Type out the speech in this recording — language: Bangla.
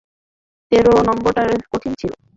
তেরো নাম্বারটা কঠিন ছিলো।